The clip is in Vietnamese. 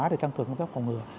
để tăng cường công tác phòng ngừa